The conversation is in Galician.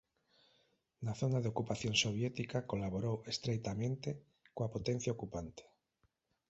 Na zona de ocupación soviética colaborou estreitamente coa potencia ocupante.